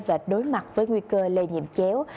và đối mặt với nguy cơ lây nhiễm chéo